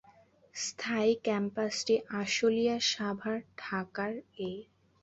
স্থায়ী ক্যাম্পাসটি আশুলিয়া, সাভার, ঢাকার এ।